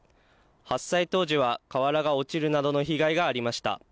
発災当時は瓦が落ちるなどの被害がありました。